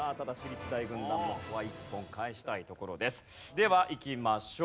ではいきましょう。